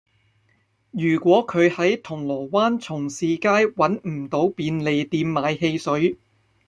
如果佢喺銅鑼灣重士街搵唔到便利店買汽水